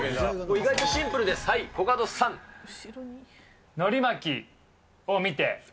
意外とシンプルです、はい、のり巻きを見て。